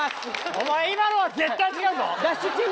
お前今のは絶対違うぞ。